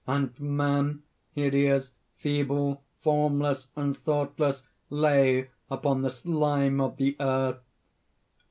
"And Man, hideous, feeble, formless and thoughtless, lay upon the slime of the earth."